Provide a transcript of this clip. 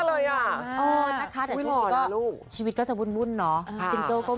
โอ้ยโทรมากเลยอ่ะอุ๊ยหล่อนะลูกชีวิตก็จะวุ่นเนาะซิงเกิลก็มี